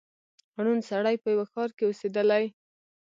ړوند سړی په یوه ښار کي اوسېدلی